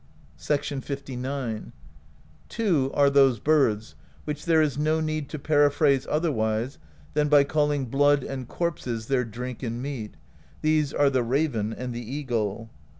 LIX. "Two are those birds which there is no need to peri phrase otherwise than by calling blood and corpses their Drink and Meat: these are the raven and the eagle.